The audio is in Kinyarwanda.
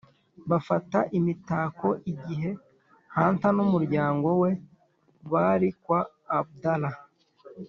bafata imitako igihe hunter n'umuryango we bari kwa abdallah.